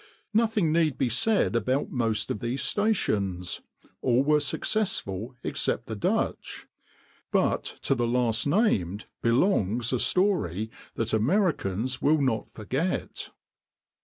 Nothing need be said about most of these stations—all were successful except the Dutch; but to the last named belongs a story that Americans will not forget.